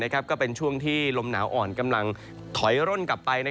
ก็เป็นช่วงที่ลมหนาวอ่อนกำลังถอยร่นกลับไป